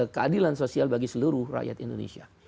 keadilan sosial bagi seluruh rakyat indonesia